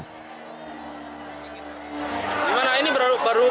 gimana ini baru pertama kali atau gimana